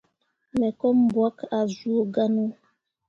Me ko mbwakke ah zuu gahne.